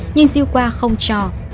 nhưng siêu khoa không cho